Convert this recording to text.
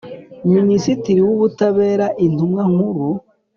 Minisitiri w Ubutabera Intumwa Nkuru